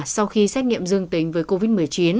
sau khi xét nghiệm dương tính với covid một mươi chín